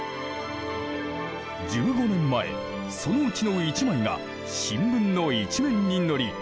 １５年前そのうちの１枚が新聞の一面に載り